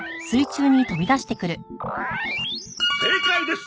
「正解です！